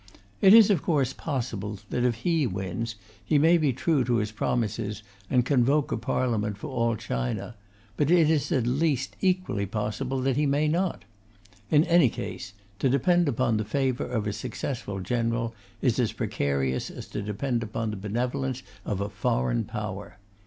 It is of course possible that, if he wins, he may be true to his promises and convoke a Parliament for all China; but it is at least equally possible that he may not. In any case, to depend upon the favour of a successful general is as precarious as to depend upon the benevolence of a foreign Power.